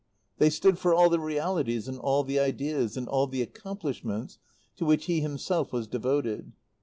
They stood for all the realities and all the ideas and all the accomplishments to which he himself was devoted.